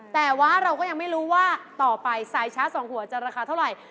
แต่ว่าเราก็ยังไม่รู้ว่าต่อไปสายชาร์จสองหัวจะราคาเท่าไหร่